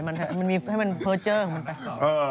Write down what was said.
ปล่อยมันเถอะให้มันเผิดเจ้อของมันไป